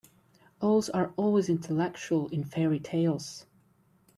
Owls are always intellectual in fairy-tales.